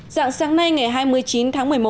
dạng sáng nay ngày hai mươi chín tháng một mươi một